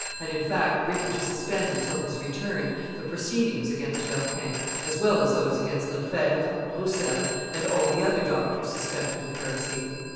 had, in fact, written to suspend until his return the proceedings against Berquin, as well as those against Lefevre, Roussel, and all the other doctors suspected of heresy.